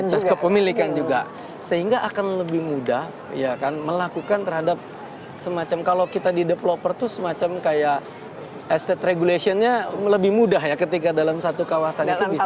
proses kepemilikan juga sehingga akan lebih mudah ya kan melakukan terhadap semacam kalau kita di developer itu semacam kayak estate regulationnya lebih mudah ya ketika dalam satu kawasan itu bisa